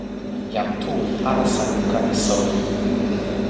jan Tu li alasa luka e soweli.